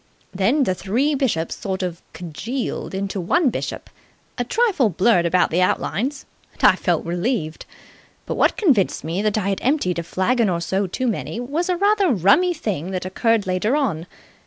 Then the three bishops sort of congealed into one bishop, a trifle blurred about the outlines, and I felt relieved. But what convinced me that I had emptied a flagon or so too many was a rather rummy thing that occurred later on.